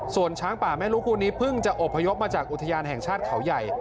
ส่วนช้างป่าแม่ลูกคู่นี้เพิ่งจะอบพยพมาจากอุทยานแห่งชาติเขาใหญ่